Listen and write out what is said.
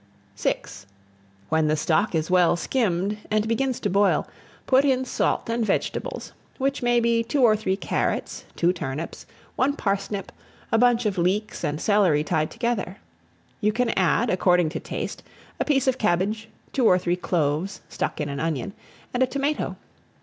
VI. WHEN THE STOCK IS WELL SKIMMED, and begins to boil, put in salt and vegetables, which may be two or three carrots, two turnips, one parsnip, a bunch of leeks and celery tied together. You can add, according to taste, a piece of cabbage, two or three cloves stuck in an onion, and a tomato.